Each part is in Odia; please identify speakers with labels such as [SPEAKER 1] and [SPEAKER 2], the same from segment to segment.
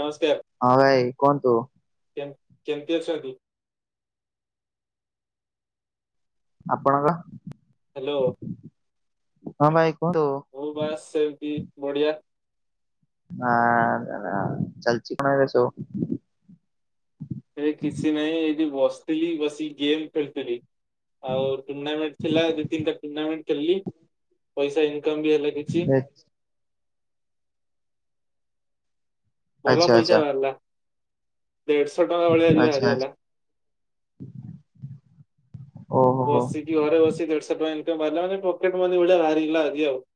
[SPEAKER 1] ନମସ୍କାର।
[SPEAKER 2] ହଁ ଭାଇ କୁହନ୍ତୁ?
[SPEAKER 1] ଜ୍ଞା କେମିତି ଅଛନ୍ତି?
[SPEAKER 2] ଆପଣଙ୍କ?
[SPEAKER 1] ହାଲୋ।
[SPEAKER 2] ହଁ ଭାଇ କୁହନ୍ତୁ?
[SPEAKER 1] ମୁଁ ଵା ସେମିତି ବଢିଆ।
[SPEAKER 2] ନାଁ ଆଁ ଚାଲିଛି କଣ ଏବେ ସବୁ?
[SPEAKER 1] ଏ କିଛି ନାହିଁ ଏଇଠି ବସିଥିଲି ବସି ଗେମ୍ ଖେଳିଥିଲି। ଆଉ ଟୁର୍ଣ୍ଣାମେଣ୍ଟ ଥିଲା ଦି ତିନି ଟା ଟୁଣାମେଣ୍ଟ ଖେଲି ପଇସା ଇନକମ ବି ହେଲା। କିଛି ଭଲ
[SPEAKER 2] ଆଚ୍ଛା
[SPEAKER 1] ପଇସା
[SPEAKER 2] ଆଚ୍ଛା
[SPEAKER 1] ବାହାରିଲା ଦେଢଶହ ଟଙ୍କା ଭଳିଆ ଆଜି
[SPEAKER 2] ଆଚ୍ଛା
[SPEAKER 1] ବାହାରିଗଲା।
[SPEAKER 2] ଆଚ୍ଛା ଓହୋ
[SPEAKER 1] ବସିକି ଘରେ ବସି ଦେଢଶହ ଟଙ୍କା ବାହାରିଲା ମାନ ପକେଟ ମନି ଭଳିଆ ବାହାରିଲା ଆଜି ଆଉ।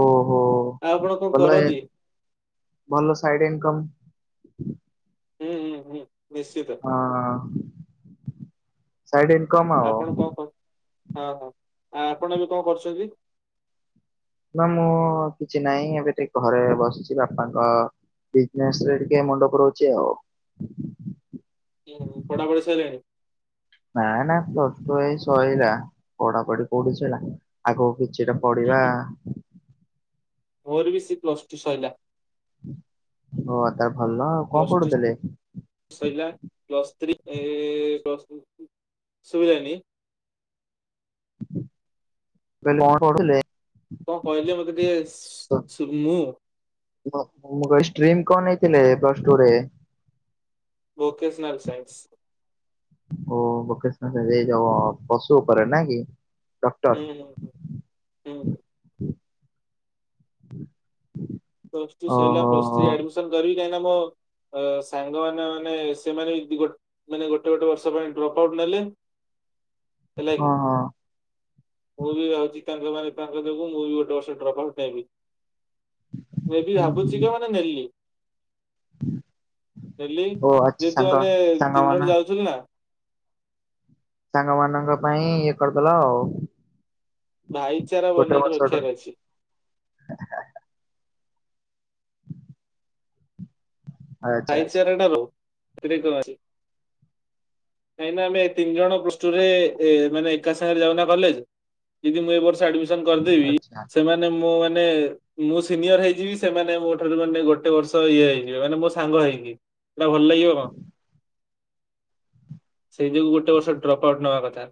[SPEAKER 2] ଓହୋ।
[SPEAKER 1] ଆଉ ଆପଣ କଣ
[SPEAKER 2] ଭଲ
[SPEAKER 1] କରନ୍ତି?
[SPEAKER 2] ଭଲ ସାଇଡ୍ ଇନକମ୍।
[SPEAKER 1] ହୁଁ ହୁଁ ହୁଁ ନିଶ୍ଚିତ।
[SPEAKER 2] ହଁ ହଁ। ସାଇଡ ଇକମ୍
[SPEAKER 1] ଆପଣ କଣ କର ହଁ ହଁ ଆ ଆପଣ ଏବେ କଣ କରୁଛନ୍ତି?
[SPEAKER 2] ନା ମୁଁ କିଛି ନାହିଁ ଏବେ ଟିକେ ଘରେ ବସିଛି ବାପାଙ୍କ ବିଜିନେସ୍ ଟିକେ ମୁଣ୍ଡ ପୁରାଉଛି ଆଉ।
[SPEAKER 1] ହଁ ପଢାପଢି ସଇଲାଣି?
[SPEAKER 2] ନା ନା ପ୍ଲସ୍ ଟୁ ଏଇ ସଇଲା ପଢାପଢ଼ୀ କୋଉଠି ସଇଲା ଆଗକୁ କିଛିଟା
[SPEAKER 1] ହୁଁ,
[SPEAKER 2] ପଡିବା।
[SPEAKER 1] ହୁଁ। ମୋର ବି ସେ ପ୍ଲସ ଟୁ ସଇଲା।
[SPEAKER 2] ହ ତ ଭଲ ଆଉ କଣ କରୁଥିଲେ?
[SPEAKER 1] ଶୋଇଲା ପ୍ଲସ୍ ଥ୍ରୀ ଏ ପ୍ଲସ ସୁଵିଲାନି।
[SPEAKER 2] ମାନେ କଣ ପଢୁଥିଲେ?
[SPEAKER 1] କଣ କହିଲେ ମତେ ଟିକେ ସୁବି ମୁଁ
[SPEAKER 2] ବ ମୁଁ କହିଲି ଷ୍ଟ୍ରିମି କଣ ନେଇଥିଲେ ପ୍ଲସ ଟୁ ରେ।
[SPEAKER 1] Vocational science.
[SPEAKER 2] ଓ ଭୋକେସେନାଲ ଏଇ ଜବ ପଶୁ ଉପରେ ନା କି। ଡକ୍ଟର। ହୁଁ ହୁଁ ହୁଁ ହୁଁ ହୁଁ।
[SPEAKER 1] ପ୍ଲସ ଟୁ ସରିଲା ପ୍ଲସ୍ ଟ୍ରୀ ଆଡମିଶନ କରିବି କାହିଁକି ନା ମଁ ଅ ସାଙ୍ଗମାନେ ମାନେ ସେମାନେ ଇ ଗୋଟେ ଗୋଟେ ବର୍ଷ ପାଇଁ ଡ୍ରପ୍ ଆଉଟ୍ ନେଲେ
[SPEAKER 2] [unintelligible]
[SPEAKER 1] ହେଲା କି।
[SPEAKER 2] ହଁ
[SPEAKER 1] ମୁଁ ବି ଭାବୁଛି ତାଙ୍କ ମାନେ ତାଙ୍କ ଯୋଗୁଁ ମୁଁ ବି ଗୋଟେ ବର୍ଷେ ଡ୍ରପ ଆଉଟ୍ ନେବି। ମୁଁ ଏ ବି
[SPEAKER 2] ହୁଁ
[SPEAKER 1] ଭାବୁଛି
[SPEAKER 2] ହୁଁ
[SPEAKER 1] କି ମାନେ ନେଲି। ଡେଲି
[SPEAKER 2] ଓ ଆଚ୍ଛା
[SPEAKER 1] ଯେହେତୁ
[SPEAKER 2] ସାଙ୍ଗ
[SPEAKER 1] ମାନେ ତିନି
[SPEAKER 2] ସାଙ୍ଗମାନ
[SPEAKER 1] ଜଣ ଯାଉଥିଲୁ ନା।
[SPEAKER 2] ସାଙ୍ଗ ମାନଙ୍କ ପାଇଁ ଇଏ କରିଦେଲ ଆଉ।
[SPEAKER 1] ଭାଇଚାରା
[SPEAKER 2] ଗୋଟେ
[SPEAKER 1] ବନେଇକି
[SPEAKER 2] ବର୍ଷର
[SPEAKER 1] ରଖିବାର ଅଛି।
[SPEAKER 2] ଆଚ୍ଛା ଆଚ୍ଛା
[SPEAKER 1] ଭାଇଚାରା ଟା ରହୁ ସେଠି କରିଚି। କାହିଁକି ନା ଆମେ ତିନି ଜଣ ପ୍ଲସ ଟୁ ରେ ମାନେ ଏକା ସାଙ୍ଗରେ ଯାଉନା କଲେଜ ଯଦି ମୁଁ ଏ ବର୍ଷ ଆଡିମିସନ। ଆଡିମିସନ କରିଦେବି
[SPEAKER 2] ଆଚ୍ଛା
[SPEAKER 1] ସେମାନେ ମୁଁ ମାନେ ମୁଁ ସିନିୟର ହେଇଯିବି ସେମାନେ ମୋ ଠାରୁ ମାନେ ଗୋଟେ ବର୍ଷ ଇଏ ହେଇଯିବେ ମାନେ ମୋ ସାଙ୍ଗ ହେଇକି। ଏଟା ଭଲ ଲାଗିବ କ। ସେଇ ଯୋଗୁ ଗୋଟେ ବର୍ଷ ଡ୍ରପ୍ ଆଉଟ ନବା କଥା।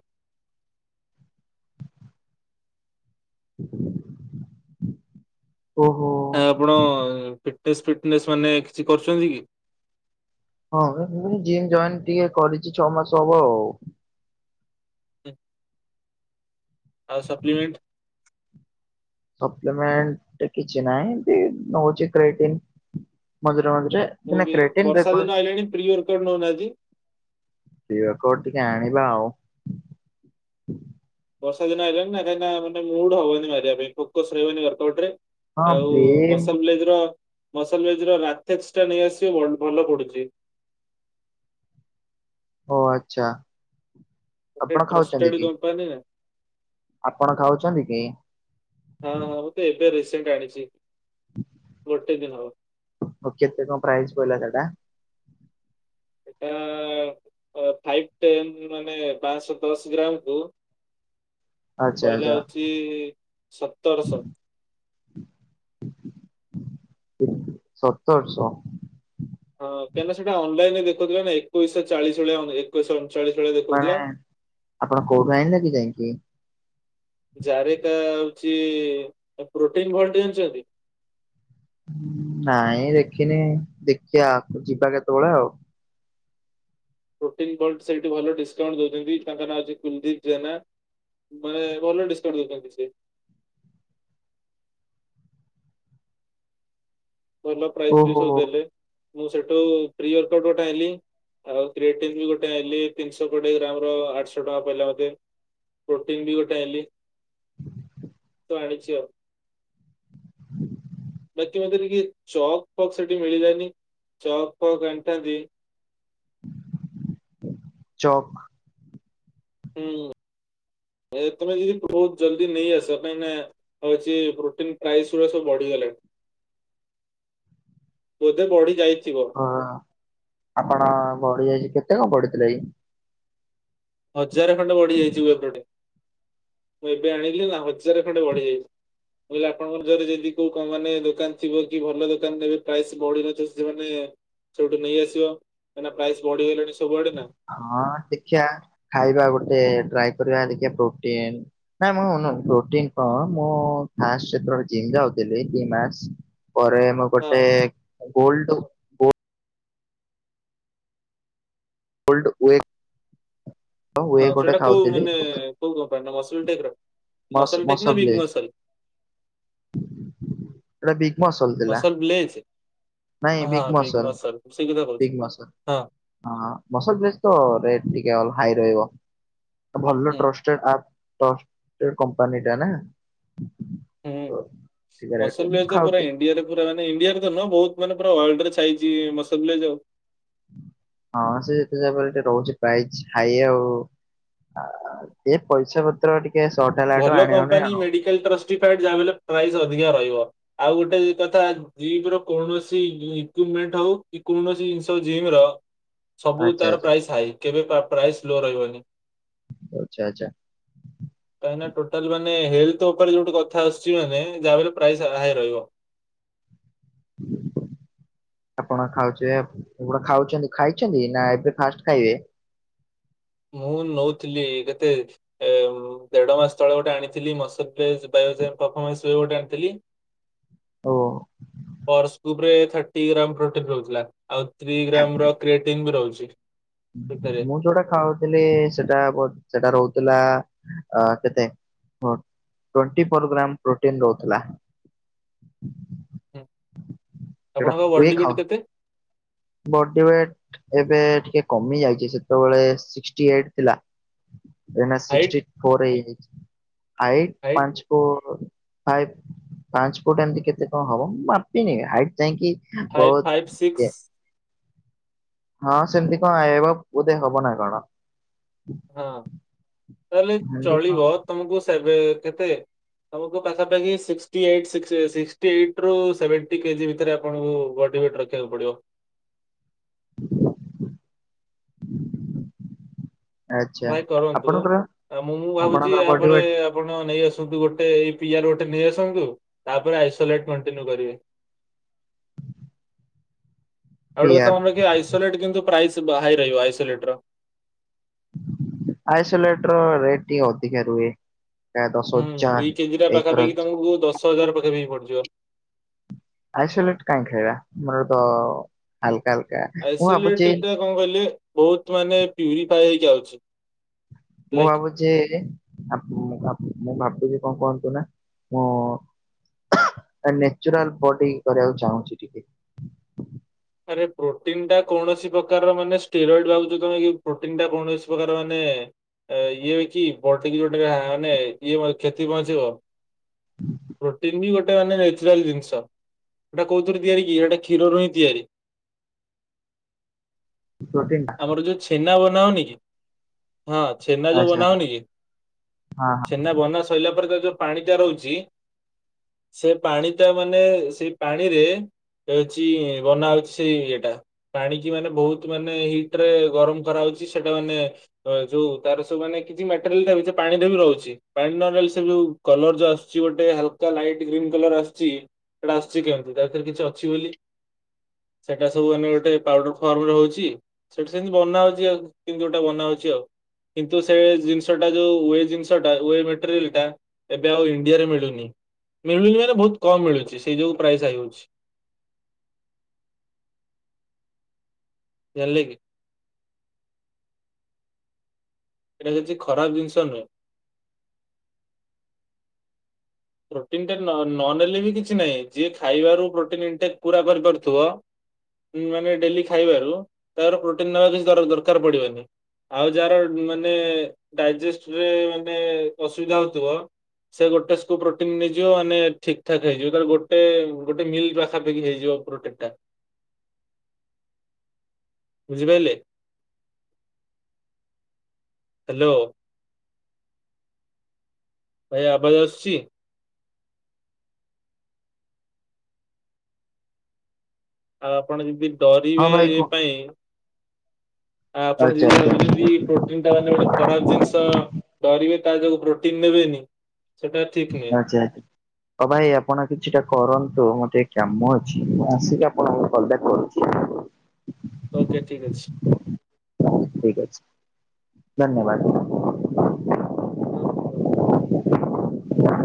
[SPEAKER 2] ଓହୋ।
[SPEAKER 1] ଆ ଆପଣ ଫିଟନେସ୍, ଫିଟନେସ୍ ମାନେ କିଛି କରୁଛନ୍ତି କି।
[SPEAKER 2] ହଁ ମୁ ଜିମ୍ ଜଏନ୍ ଟିକେ କରିଛି ଛଅ ମାସ ହବ ଆଉ।
[SPEAKER 1] [unintelligible] ଆଉ ସପ୍ଲିମେଣ୍ଟ।
[SPEAKER 2] ସପ୍ଲିମେଣ୍ଟ କିଛି ନାହିଁ ଏମିତି ନଉଛି କ୍ରେଟିଂ ମଝିରେ ମଝିରେ।
[SPEAKER 1] ମୁୁଁ
[SPEAKER 2] ନା
[SPEAKER 1] ବି
[SPEAKER 2] କ୍ରେଟିନ୍
[SPEAKER 1] ବର୍ଷା
[SPEAKER 2] ରେଗୁଲାର
[SPEAKER 1] ଦିନ ଆଇଲାଣି ପ୍ରି ଇୟର କଡ଼ ନଉ ନାହାନ୍ତି
[SPEAKER 2] ଇୟର କଡ ଟିକେ ଆଣିବା ଆଉ
[SPEAKER 1] ବର୍ଷା ଦିନ ଆଇଲାଣି ନା କାହିନା ମାନେ ମୁଡ଼ ହବନି ମାରିବା ପାଇଁ ଫୋକସ ରହିବନି ଇୟର କଡ ରେ।
[SPEAKER 2] ହଁ
[SPEAKER 1] ଆଉ
[SPEAKER 2] ପ୍ରି
[SPEAKER 1] ମସଲ ବ୍ଲେଜ ର ମସଲ ବ୍ଲେଜ ର ରାଥେସ୍କେ ଟା ନେଇଆସିବ ଭଲ ପଡୁଛି।
[SPEAKER 2] ଓ ଆଚ୍ଛା।
[SPEAKER 1] ଏ
[SPEAKER 2] ଆପଣ ଖାଉଛନ୍ତି
[SPEAKER 1] ଟ୍ରଷ୍ଟେଡ
[SPEAKER 2] କି?
[SPEAKER 1] ଦପାନୀ ନା।
[SPEAKER 2] ଆପଣ ଖାଉଛନ୍ତି କି।
[SPEAKER 1] ହଁ ହଁ ମୁଁ ତ ଏବେ ରିସେଣ୍ଟ ଆଣିଛି ଗୋଟେ ଦିନି ହବ।
[SPEAKER 2] ଓ କେତେ କଣ ପ୍ରାଇଜ ପଇଲା ସେଟା।
[SPEAKER 1] ଏ ଫାଇଭି, ଟେନ ମାନେ ପାଞ୍ଚଶହ ଦଶ ଗ୍ରାମକୁୁ।
[SPEAKER 2] ଆଚ୍ଛା ଆଚ୍ଛା।
[SPEAKER 1] କହିଲା ହଉଛି ସତରଶହ।
[SPEAKER 2] ହୁଁ ସତରଶହ।
[SPEAKER 1] ହଁ କାହିଁକନା ସେଟା ଅନଲାଇନ ରେ ଦେଖଉଥିଲା ନା ଏକୋଇଶହ ଚାଳିଶ ଭଳିଆ ଏକୋଇଶହ ଅଣଚାଳିଶ ଭଳିଆ
[SPEAKER 2] ମାନେ
[SPEAKER 1] ଦେଖଉଥିଲା।
[SPEAKER 2] ଆପଣ କୋଉଠୁ ଆଣିଲେ କି ଯାଇକି।
[SPEAKER 1] ଜାରିଟା ହଉଛି ପ୍ରୋଟିନ ଭଲଟି ଜାଣିଛନ୍ତି।
[SPEAKER 2] ନାଇଁ ଦେଖିନି ଦେଖିବା ଯିବା କେତେବେଳେ ଆଉ।
[SPEAKER 1] ପ୍ରୋଟିନି ଭଲଟ ସେଇଠି ଭଲ ଡିସକାଉଣ୍ଟ ଦଉଛନ୍ତି ତାଙ୍କ ନାଁ ହେଲା କୁଲଦୀପ ଜେନା। ମାନେ ଭଲଡିସ୍କାଉଣ୍ଟ ଦଉଛନ୍ତି ସେ। ଭଲ ପ୍ରାଇଜି ବି
[SPEAKER 2] ଓହୋ
[SPEAKER 1] ସବୁ ଦେଲେ ମୁଁ ସେଠୁ ପ୍ରି ଇୟର କଡ ଗୋଟେ ଆଇଲି। ଆଉ କ୍ରିୟାଟିଭ ବି ଗୋଟେ ଆଇଲି ତିନିଶ କୋଡିଏ ଗ୍ରାମ ର ଆଠଶହ ଟଙ୍କା ପାଇଲା ମତେ। ପ୍ରୋଟିନ ବି ଗୋଟେ ଆଇଲି।
[SPEAKER 2] [inaudible]
[SPEAKER 1] କଣ ଆଣିଚ?
[SPEAKER 2] [inaudible]
[SPEAKER 1] ବାକି ମତେ ଟିକେ ଚକ୍ ଫକ୍ ସେଠି ମିଳିଲାନି ଚକ୍ ଫକ୍ ଆଣିଥାନ୍ତି।
[SPEAKER 2] ଚକ୍
[SPEAKER 1] ହୁଁ ଏ ତମେ ଯଦି ବହୁତ ଜଲ୍ଦି ନେଇ ଆସିବା ପାଇଁ ନା ହଉଛି ପ୍ରୋଟିନ ପ୍ରାଇସ୍ ଗୁରା ସବୁ ବଢିଗଲାଣି।
[SPEAKER 2] [inaudible]
[SPEAKER 1] ବୋଧେ ବଢି ଯାଇଥିବ।
[SPEAKER 2] ହଁ ଆପଣ ବଢିଯାଇଛି କେତେ କଣ ବଢିଥିଲା କି?
[SPEAKER 1] ହଜାର ଖଣ୍ଡେ ବଢିଯାଇଛିି ବି ଏପଟେ। ମୁଁ ଏବେ ଆଣିଲି ନା ହଜାରେ ଖଣ୍ଡେ ବଢିଯାଇଛି। କହିଲି ଆପଣଙ୍କ ଯଦି ଯେନ୍ତି କୋଉ କମ୍ପାନୀ ଦୋକାନ ଥିବ କି ଭଲ ଦୋକାନ ପ୍ରାଇସ୍ ବଢି ନଥ ସେମାନେ ସେଇଠୁ ନେଇଆସିବ କାହିଁକି ନା ପ୍ରାଇସ ବଢିଗଲାଣି ସବୁଆଡେ ନା।
[SPEAKER 2] ହଁ ଦେଖିବା ଖାଇବା ଗୋଟେ ଟ୍ରାଏ କରିବା ଦେଖିବା ପ୍ରୋଟିନ୍ ନାଇଁ ମୁଁ ନୁ ପ୍ରୋଟିନ ହଁ ମୁଁ ଫାଷ୍ଟ ଯେତେବେଳେ ଜିମ୍ ଯାଉଥିଲି ଦି ମାସ ପରେ ମୁଁ
[SPEAKER 1] ହଁ
[SPEAKER 2] ଗୋଟେ ଗୋଲଡ ଓୋଲ୍ଡ ୱେ
[SPEAKER 1] ହଁ
[SPEAKER 2] ହୁଏ ଗୋଟେ
[SPEAKER 1] ସେଇଟା କୋଉ
[SPEAKER 2] ଖାଉଥିଲି
[SPEAKER 1] ମାନେ କୋଉ କମ୍ପାନୀ ର ମସଲ ଟେକ ର?
[SPEAKER 2] ମସ
[SPEAKER 1] ଟେକ୍ ନା
[SPEAKER 2] ମସଲ
[SPEAKER 1] ବିଗ୍
[SPEAKER 2] ବ୍ଲେଜ
[SPEAKER 1] ମସଲ
[SPEAKER 2] ସେଇଟା ବିଗ ମସଲ ଥିଲା।
[SPEAKER 1] ପ୍ଲେଜ
[SPEAKER 2] ନାଇଁ ବିଗ୍ ମସଲ
[SPEAKER 1] ସେଇ କଥା କହୁଛ
[SPEAKER 2] ବିଗ୍ ମସଲ।
[SPEAKER 1] ହଁ।
[SPEAKER 2] ହଁ ମସଲ ରେଟ ଟିକେ ହାଇ ରହିବ ଭଲ
[SPEAKER 1] ହୁଁ
[SPEAKER 2] ଟ୍ରଷ୍ଟ ଆପ ଟେଷ୍ଟଟେଡ଼ କମ୍ପାନୀ ଟା ନା।
[SPEAKER 1] ହୁଁ
[SPEAKER 2] ତ ଟିକେ ରେଟ୍ ରେ
[SPEAKER 1] ମସଲ
[SPEAKER 2] ମୁଁ
[SPEAKER 1] ରେଟ ତ ପୁରା
[SPEAKER 2] ଖାଉଥିଲି
[SPEAKER 1] ଇଣ୍ଡିଆରେ ପୁରା ମାନେ ଇଣ୍ଡିଆରେ ତ ନୁହଁ ବହୁତ ମାନେ ୱାଲଡ ରେ ଛାଇଛି ମସଲ ବ୍ଲେଜ ଆଉ।
[SPEAKER 2] ହଁ ସେ ଯେତେ ଯାହା ହେଲେ ବି ରହୁଛି ପ୍ରାଇଜ ହାଇ ଆଉ। ତ ପଇସା ପତ୍ର ଟିକେ ସଟ ହେଲାଠୁ ଆଣିହଉନି ଆଉ।
[SPEAKER 1] [unintelligible] ଯାହାବି ହେଲେ ପ୍ରାଇଜ ଅଧିକା ରହିବ ଆଉ ଗୋଟେ ବି କଥା ଜିମ ର କୌଣସି ଇକୁମେଣ୍ଟ ହଉ କି କୌଣସି ଜିନିଷ ଜିମ ର ସବୁ
[SPEAKER 2] ଆଚ୍ଛା
[SPEAKER 1] ତାର
[SPEAKER 2] ଆଚ୍ଛା
[SPEAKER 1] ପ୍ରାଇସ୍ ହାଇ କେବେ ପ୍ରା ପ୍ରାଇସ୍ ଲୋ ରହିବନି।
[SPEAKER 2] ଆଚ୍ଛା ଆଚ୍ଛା।
[SPEAKER 1] କାହିଁକି ନା ଟୋଟାଲ ମାନେ ହେଲଥ ଉପରେ ଯୋଉଠି କଥା ଆସୁଛି ମାନେ ଯାହା ବି ହେଲେ ପ୍ରାଇସ ହାଇ ରହିବ।
[SPEAKER 2] [inaudible] ଆପଣ ଖାଉଚ ଆପଣ ଖାଉ ଖାଇଛନ୍ତି ନା ଏବେ ଫାଷ୍ଟ ଖାଇବେ?
[SPEAKER 1] ମୁଁ ନୋଉଥିଲି କେତେ ଏ ଏ ଦେଢ ମାସ ତଳେ ଗୋଟେ ଆଣିଥିଲି ଗୋଟେ ଆଣିଥିଲି [unintelligible] ଆଣିଥିଲି।
[SPEAKER 2] ଓ
[SPEAKER 1] ପ୍ରସ ଗୁପ ରେ ଥାଟି ଗ୍ରାମ ପ୍ରୋଟିନ ରହୁଥିଲା ଆଉ ଥ୍ରୀ ଗ୍ରାମ ର କ୍ରଏଟିନ ବି ରହୁଚି।
[SPEAKER 2] ମୁଁ ଯୋଉଟା ଖାଉ ଥିଲ ସେଟା ସେଟା ରହୁଥିଲା ଅ କେତେ ଟୋଣ୍ଟି ପର ଗ୍ରାମ ପ୍ରୋଟିନ ରହୁଥିଲା।
[SPEAKER 1] ହୁଁ
[SPEAKER 2] ଯୋଉଟା
[SPEAKER 1] ଆପଣଙ୍କ
[SPEAKER 2] ହୁଏ
[SPEAKER 1] ବଡି
[SPEAKER 2] ଖାଉ
[SPEAKER 1] ବିଟ କେତେ?
[SPEAKER 2] ବଡି ୱେଟ ଏବେ ଟିକେ କମି ଯାଇଛି ସେତେବେଳେ ସିକ୍ସିଏଇଟ ଥିଲା। ଏଇନି
[SPEAKER 1] ହାଇଟ୍
[SPEAKER 2] ସିକ୍ସିଟି ଫୋର ହେଇଯାଇଛି ହାଇଟ
[SPEAKER 1] ହାଇଟ୍
[SPEAKER 2] ପାଞ୍ଚ ଫ ପାଞ୍ଚ ଫୁଟ ଏମତି କେତେ କଣ ହବ ମୁ ମାପିନି ହାଇଟ୍ ଯାଇକି
[SPEAKER 1] ଫାଇଭ
[SPEAKER 2] ବହୁତ
[SPEAKER 1] ଫାଇଭ
[SPEAKER 2] ଇଏ
[SPEAKER 1] ସିକ୍ସ
[SPEAKER 2] ହଁ ସେମିତି କଣ ଆଇବ ବୋଧେ ହବ ନା କଣ।
[SPEAKER 1] ହଁ ତାହେଲେ
[SPEAKER 2] ସେମିତି କଣ
[SPEAKER 1] ଚଳିବ ତମକୁ ସେବେ କେତେ ତମକୁ ପାଖାପାଖି ସିକ୍ସଟ ଏଠାରୁ ସିକ୍ସ ଏଠାରୁ ସେଭେଣ୍ଟି କେଜି ଭିତରେ ଆପଣଙ୍କୁ ବଡ଼ି ଉଏଟ ରଖିବ ଖିବାକୁ ପଡିବ
[SPEAKER 2] [inaudible]
[SPEAKER 1] ଟଏ କରନ୍ତୁ
[SPEAKER 2] ଆପଣଙ୍କର
[SPEAKER 1] ଆ ମୁଁ ମୁଁ ଭାବୁଛି
[SPEAKER 2] ଆପଣଙ୍କର ବଡି
[SPEAKER 1] ଏହାପରେ
[SPEAKER 2] ୱେଟ
[SPEAKER 1] ଆପଣ ନେଇ ଆସନ୍ତୁ ଗୋଟେ ଏଇ ପିଆର ଗୋଟେ ନେଇ ଆସନ୍ତୁ ତାପରେ ଆଇସୋଲେଟ କଂଟିନୁୱେ କରିବେ। ଆଉ ଗଟେ କେ
[SPEAKER 2] ପିଆର
[SPEAKER 1] ମନେ ରଖେ ଆଇସୋଲେଟ୍ କିନ୍ତୁ ପ୍ରାଇସ ହାଇ ରହିବ ଆଇସୋଲେଟ ର।
[SPEAKER 2] ଆଇସୋଲେଟର ରେଟ୍ ଟିକେ ଅଧିକା ରୁହେ। ଦଶ
[SPEAKER 1] ହୁଁ
[SPEAKER 2] ହଜାର
[SPEAKER 1] ଦୁଇ କେଜି ଟା
[SPEAKER 2] ଏକର
[SPEAKER 1] ପାଖାପାଖି ତମକୁ ଦଶ ହଜାର ପାଖାପାଖି ପଡିଯିବ।
[SPEAKER 2] ଆଇସୋଲେଟ କାଇହିଁ ଖାଇବା ଆମର ତ ହଲକା ହଲକା
[SPEAKER 1] ଆଇସୋଲେଟ କଣ କହିଲେ ବହୁତ୍ ମାନେ ପିୟୁରୀଫାଇ ହେଇକି ଆଉଚି।
[SPEAKER 2] ମୁଁ ଭାବୁଛି ମୁଁ ଭାବୁଛି କଣ କୁହନ୍ତୁ ନା ମୁଁ ନନ୍ୟାଚୁରାଲ ବଡି କରିବାକୁ ଚାହୁଁଛି ଟିକେ।
[SPEAKER 1] ଆରେ ପ୍ରୋଟିନ ଟା କୌଣସି ପ୍ରକାର ମାନେ ଷ୍ଟେୟର ଏଡ୍ ଭାବୁଛ ତମେ କି ପ୍ରୋଟିନ ଟା କୌଣସି ପ୍ରକାର ମାନେ ଇଏ କି ବଡିକି ଯୋଉଟ ମାନେ ଇଏ କ୍ଷତି ପହଞ୍ଚିବ। ପ୍ରୋଟିନ୍ ବି ଗୋଟେ ମାନେ ନ୍ୟଚୁରାଲ ଜିନିଷ। ସେଇଟା କଉଥି ତିଆରି କି ଏଟା୍ଷୀରରୁ ହିଁ ତିଆରି।
[SPEAKER 2] [inaudible]
[SPEAKER 1] ଆମର ଯୋଉ ଛେନା ବନା ହ ଉନିକି କି ହଁ ଛେନା ଯୋଉ
[SPEAKER 2] ଆଚ୍ଛା
[SPEAKER 1] ବନା
[SPEAKER 2] ହଁ ହଁ
[SPEAKER 1] ହଉନିକି। ବନା ସରିଲା ପରେ ତା ଯୋଉ ପାଣି ଟା ରହୁଛି ସେ ପାଣି ଟ ମାନେ ସେ ପାଣିରେ ହଉଛି ବନା ହଉଛି। ସେଇ ଇଏଟା ପାଣ କିି ମାନେ ବହୁତ ମାନେ ହିଟ ରେ ଗରମ କରାହାଉଛି ସେଟା ମାନେ ଯୋଉ ତାର ସବୁ ମାନେ କିଛି ମଟେରି ପାଣିରେ ବି ରହୁଛି ପାଣି ନହ ସେ ଯୋଉ କଲର ଯୋ ଆସୁଛି ଗୋଟେ ହାଲକା ଲାଇଟ୍ ଗ୍ରୀନ୍ କଲର ଆସିୁଛି। ସେଇଟା ଆସୁଛି କେମିତି ତା ଭିତରେ କିଛି ଅଛି ବୋଲି ସେଇଟା ସବୁ ଆମେ ଗୋଟେ ପାଉଡର ଫର୍ମ ରେ ହଉଛି। ସେଠି ସେମିତି ବନା ହଉଛି ଆଉ କେମିତି ଗୋଟେ ବନା ହଉଛି ଆଉ। କିନ୍ତୁ ସେ ଜିନିଷ ଟା ଯୋଉ ୱ ଜିନିଷା ମଟେରିଲ ଟା ଏବେ ଆଉ ଇଣ୍ଡିଆରେ ମିଳୁନି ମିଳୁନି ମାନେ ବହୁତ କମ ମିଳୁଛି ସେଇ ଯୋଉୁ ପ୍ରାଇସ୍ ହେଇଯାଉଛି। ଜାଣିଲେକି। ଏଇଟା କିଛି ଖରାପ ଜିନିଷ ନୁହେ। ପ୍ରଟିନ ନ କିଛି ନାହିଁ ଯିଏ ଖାଇବାରୁ ପ୍ରଇଟେ ପ କରିପାରୁଥିବ। ମାନେ ଡେଲି ଖାଇବାରୁ ତାର ପ୍ରୋଟିନ ନେବା କିଛି ଦରକାର ପଡିବନି। ଆଉ ଯାହାର ମାନେ ଡାଇଜେଷ୍ଟ ରେ ମାନେ ଅସୁବିଧା ହଉଥିବ ସେ ଗୋଟେ। ପ୍ରୋଟିନ ନେଇଯିବ ମାନେ ଠିକ ଠାକ ହେଇଯିବ ତ ଗୋଟେ ଗୋଟେ ମିଲ୍ ପାଖାପାଖି ହେଇଯିବ ପ୍ରୋନ ଟା
[SPEAKER 2] [inaudible]
[SPEAKER 1] ବୁଝିପାରିଲେ। ହାଲୋ। ଭାଇ ଆବାଜ ଆସୁଛି? ଆଉ ଆପଣ ଯଦି
[SPEAKER 2] ହଁ
[SPEAKER 1] ଡରିବେ
[SPEAKER 2] ଭାଇ
[SPEAKER 1] ଇଏ
[SPEAKER 2] କୁହ
[SPEAKER 1] ପାଇଁ ଆ ଆପଣ
[SPEAKER 2] ଆଚ୍ଛା
[SPEAKER 1] ଯଦି
[SPEAKER 2] ଆଚ୍ଛା
[SPEAKER 1] ଭାବୁଚନ୍ତି ପ୍ରୋଟ ପ୍ରୋଟିନ ଟା ମାନେ ଗୋଟେ ଖରାପ ଜିନିଷ, ଡରିବେ ତା ଯୋଗୁଁ ପ୍ରୋଟିନ ନେବେନି ସେଟା ଠିକ ନୁହେଁ
[SPEAKER 2] ଆଛା। ହଁ, ଭାଇ ଆପଣ କିଛିଟା କରନ୍ତୁ, ମୋ ଟିକେ କାମ ଅଛି, ମୁଁ ଆସିକି ଆପଣଙ୍କୁ କଲବ୍ୟାକ କରୁଚି।
[SPEAKER 1] ଓକେ ଠିକ୍ ଅଛି।
[SPEAKER 2] ଠିକ ଅଛି, ଧନ୍ୟବାଦ।
[SPEAKER 1] [unintelligible]
[SPEAKER 2] [unintelligible]